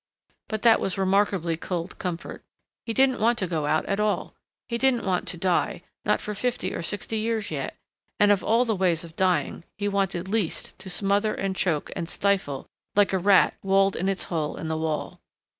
But that was remarkably cold comfort. He didn't want to go out at all. He didn't want to die, not for fifty or sixty years yet, and of all the ways of dying, he wanted least to smother and choke and stifle like a rat walled in its hole in the wall.